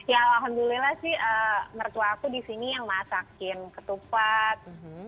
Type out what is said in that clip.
ya alhamdulillah sih mertua aku disini yang masakin ketupat